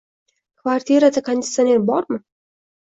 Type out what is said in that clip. Kvartirada konditsioner bormi?